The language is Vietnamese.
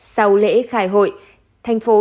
sau lễ khai hội thành phố